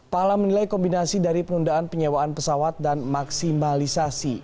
pahala menilai kombinasi dari penundaan penyewaan pesawat dan maksimalisasi